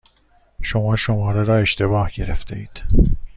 شما شماره را اشتباه گرفتهاید.